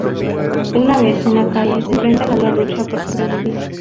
Una vez en la calle se enfrenta a la dura lucha por sobrevivir.